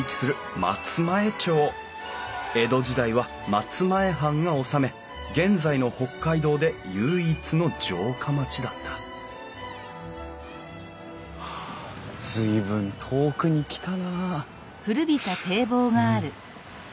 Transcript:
江戸時代は松前藩が治め現在の北海道で唯一の城下町だった随分遠くに来たな。